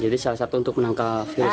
jadi salah satu untuk menangkap virus